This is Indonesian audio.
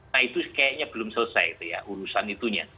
nah itu kayaknya belum selesai gitu ya urusan itunya